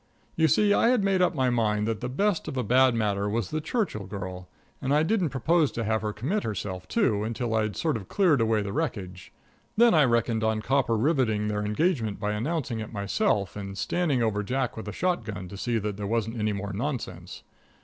You see, I had made up my mind that the best of a bad matter was the Churchill girl, and I didn't propose to have her commit herself, too, until I'd sort of cleared away the wreckage. Then I reckoned on copper riveting their engagement by announcing it myself and standing over Jack with a shotgun to see that there wasn't any more nonsense.